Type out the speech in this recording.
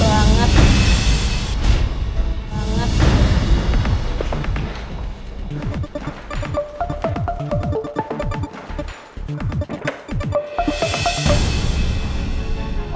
lama banget sih